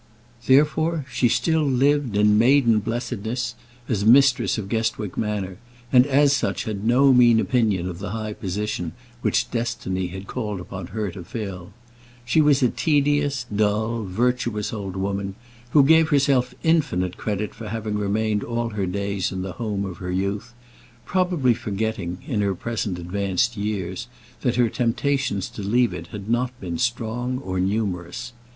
Therefore she still lived, in maiden blessedness, as mistress of Guestwick Manor; and as such had no mean opinion of the high position which destiny had called upon her to fill. She was a tedious, dull, virtuous old woman, who gave herself infinite credit for having remained all her days in the home of her youth, probably forgetting, in her present advanced years, that her temptations to leave it had not been strong or numerous.